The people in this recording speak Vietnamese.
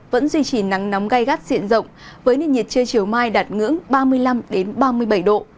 vẫn duy trì nắng nóng gai gắt diện rộng với nền nhiệt chưa chiều mai đạt ngưỡng ba mươi năm ba mươi bảy độ